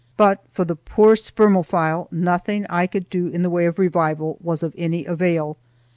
But for the poor spermophile nothing I could do in the way of revival was of any avail.